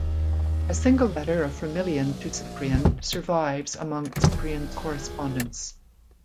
A single letter of Firmilian to Cyprian survives among Cyprian's correspondence.